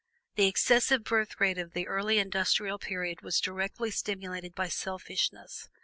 The excessive birth rate of the early industrial period was directly stimulated by selfishness.